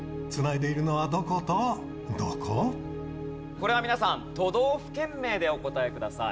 これは皆さん都道府県名でお答えください。